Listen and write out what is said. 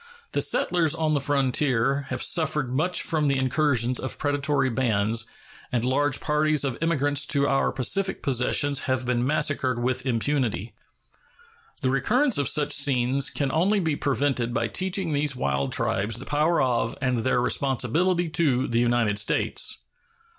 The settlers on the frontier have suffered much from the incursions of predatory bands, and large parties of emigrants to our Pacific possessions have been massacred with impunity. The recurrence of such scenes can only be prevented by teaching these wild tribes the power of and their responsibility to the United States.